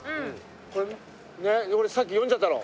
これね俺さっき読んじゃったの。